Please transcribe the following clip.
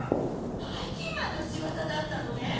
ばいきんまんのしわざだったのね。